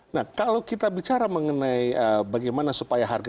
nah kalau kita bicara mengenai bagaimana supaya harga